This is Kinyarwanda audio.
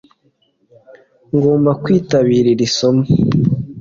Ngomba kwitabira iri somo